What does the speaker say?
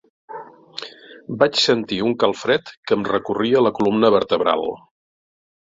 Vaig sentir un calfred que em recorria la columna vertebral.